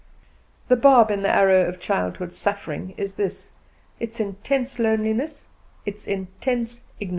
The barb in the arrow of childhood's suffering is this: its intense loneliness, its intense agony.